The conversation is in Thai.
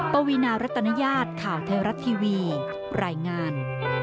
ปวีนารัตนญาติข่าวไทยรัฐทีวีรายงาน